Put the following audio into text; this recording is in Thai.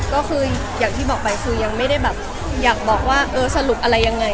ก็คืออย่างที่บอกไปคือยังไม่ได้แบบอยากบอกว่าเออสรุปอะไรยังไง